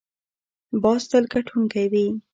باز تل ګټونکی وي